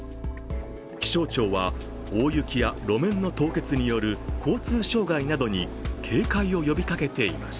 気象庁は大雪や路面の凍結による交通障害などに警戒を呼びかけています。